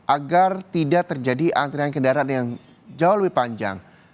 agar tidak terjadi antrian kendaraan yang jauh lebih panjang